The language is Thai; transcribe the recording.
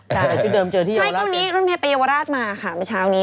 แต่ที่เดิมเจอที่เยาวราชเองใช่ก็นี่โรงพยาบาลไปเยาวราชมาค่ะเมื่อเช้านี้